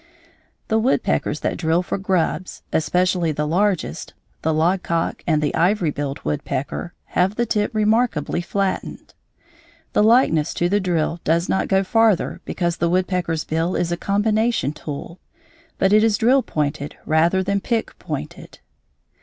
The woodpeckers that drill for grubs, especially the largest, the logcock and the ivory billed woodpecker, have the tip remarkably flattened. The likeness to the drill does not go farther because the woodpecker's bill is a combination tool; but it is drill pointed rather than pick pointed.